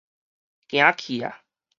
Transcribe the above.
行去矣